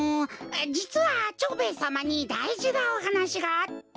じつは蝶兵衛さまにだいじなおはなしがあって。